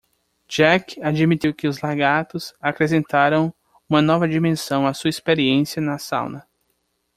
Jack admitiu que os lagartos acrescentaram uma nova dimensão à sua experiência na sauna.